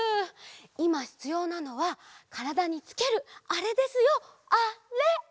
いまひつようなのはからだにつけるあれですよあれ！